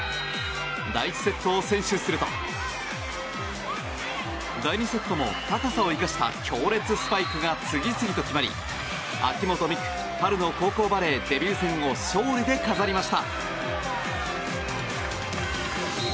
第１セットを先取すると第２セットも高さを生かした強烈スパイクが次々と決まり、秋本美空春の高校バレーデビュー戦を勝利で飾りました。